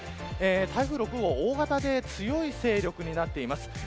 台風６号、大型で強い勢力になっています。